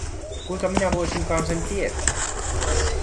Kuinka minä voisinkaan sen tietää?